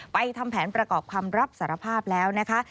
ทำแผนประกอบคำรับสารภาพแล้วนะคะ